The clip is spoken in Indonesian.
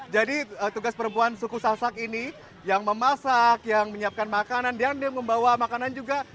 jadi tugas perempuan suku sasak ini yang memasak yang menyiapkan makanan yang membawa makanan juga